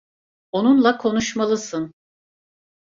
Onunla konuşmalısın.